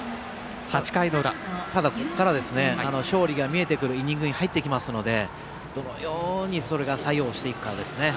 ただ、ここから勝利が見えてくるイニングに入ってきていますのでどのように、それが作用していくかですよね。